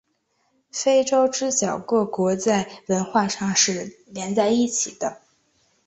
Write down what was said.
非洲之角各国在文化上是连在一起的。